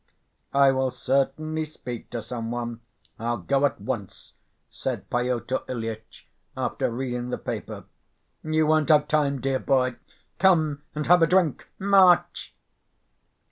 "I will certainly speak to some one, I'll go at once," said Pyotr Ilyitch, after reading the paper. "You won't have time, dear boy, come and have a drink. March!"